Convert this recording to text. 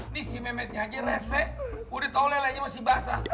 ini si mehmetnya aja rese udah tau lele masih basah